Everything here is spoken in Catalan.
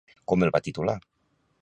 Com el va titular?